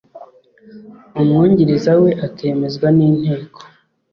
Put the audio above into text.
umwungiriza we akemezwa n inteko